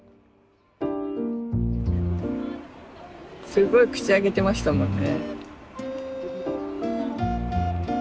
すごい口開けてましたもんね。